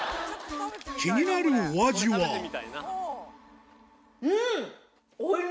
気になるお味はうん！